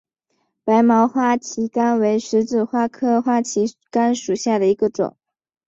白毛花旗杆为十字花科花旗杆属下的一个种。